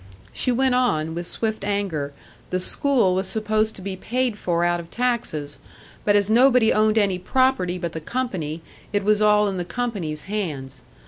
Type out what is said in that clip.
She went on, with swift anger the school was supposed to be paid for out of taxes, but as nobody owned any property but the company, it was all in the company's hands.